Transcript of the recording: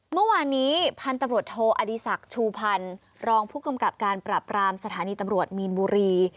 เมื่อวานนี้พันธุ์ตำรวจโทอดีศักดิ์ชูพันธ์รองผู้กำกับการปรับรามสถานีตำรวจมีนบุรี